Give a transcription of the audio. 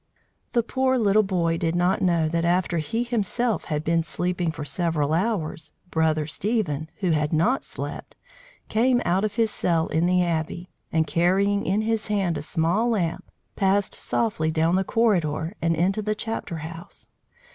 The poor little boy did not know that after he himself had been sleeping for several hours, Brother Stephen, who had not slept, came out of his cell in the Abbey, and, carrying in his hand a small lamp, passed softly down the corridor and into the chapter house.